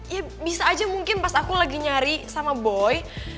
ya bisa aja mungkin pas aku lagi nyari sama boy